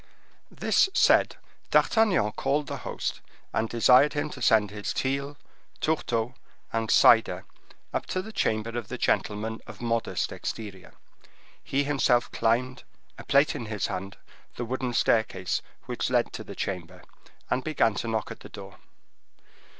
This said, D'Artagnan called the host, and desired him to send his teal, tourteau, and cider up to the chamber of the gentleman of modest exterior. He himself climbed, a plate in his hand, the wooden staircase which led to the chamber, and began to knock at the door.